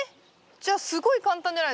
じゃあすごい簡単じゃないですか。